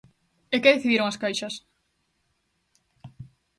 ¿E que decidiron as caixas?